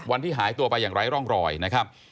วันที่หายตัวไปอย่างไร้ร่องรอยนะครับ